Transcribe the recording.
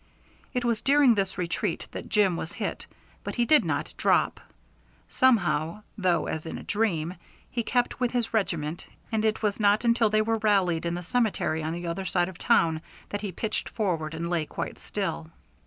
It was during this retreat that Jim was hit, but he did not drop. Somehow though as in a dream he kept with his regiment, and it was not until they were rallied in the cemetery on the other side of the town that he pitched forward and lay quite still.